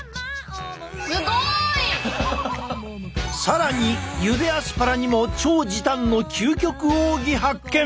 更にゆでアスパラにも超時短の究極奥義発見！